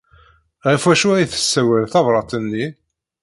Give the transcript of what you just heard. Ɣef wacu ay tessawal tebṛat-nni?